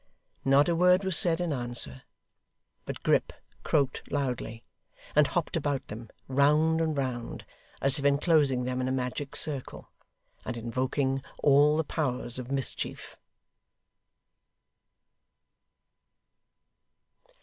Not a word was said in answer; but Grip croaked loudly, and hopped about them, round and round, as if enclosing them in a magic circle, and invoking all the powers of mischief.